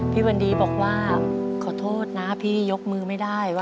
พี่วันดีบอกว่าขอโทษนะพี่ยกมือไม่ได้ว่า